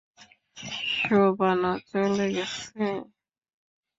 শোবানা চলে গেছে?